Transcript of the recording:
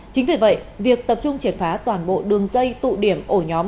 chính vì vậy việc tập trung triệt phá toàn bộ đường dây tụ điểm ổ nhóm